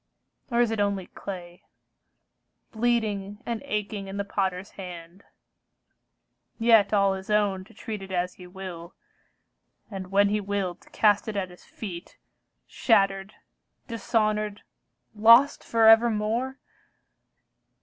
Or is it only clay, Bleeding and aching in the potter's hand, Yet all his own to treat it as he will, And when he will to cast it at his feet, Shattered, dishonored, lost for evermore?